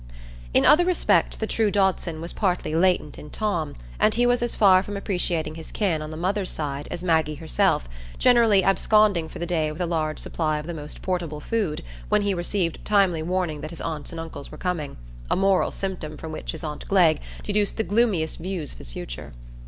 In other respects the true Dodson was partly latent in Tom, and he was as far from appreciating his "kin" on the mother's side as Maggie herself, generally absconding for the day with a large supply of the most portable food, when he received timely warning that his aunts and uncles were coming,—a moral symptom from which his aunt Glegg deduced the gloomiest views of his future.